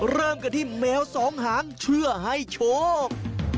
เริ่มกันที่แมวสองหางเพื่อให้โชค